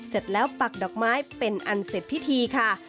เสร็จแล้วปักดอกไม้เป็นอันเสร็จพิธีค่ะ